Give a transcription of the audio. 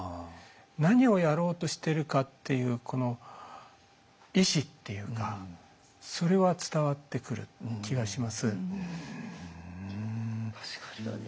何をやろうとしてるかっていうこの意志っていうかそれは伝わってくる気がします。